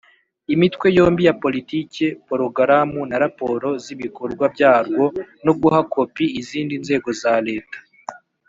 imitwe yombi ya politike porogaramu na raporo z'ibikorwa byarwo no guha kopi izindi nzego za leta;